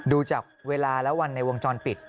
ดูจากเวลาและวันในวงจรปิด